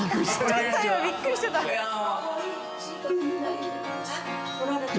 ちょっと今びっくりしてた））撮られてる。